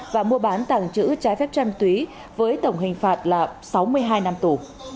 và mua bán tặng chữ trái phép trăm túy với tổng hình phạt là sáu mươi hai năm tù